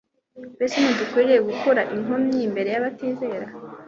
mbese ntidukwiriye gukura inkomyi imbere y'abatizera